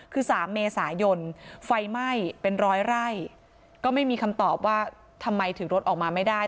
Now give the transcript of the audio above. คือ๓เมษายนไฟไหม้เป็นร้อยไร่ก็ไม่มีคำตอบว่าทำไมถึงรถออกมาไม่ได้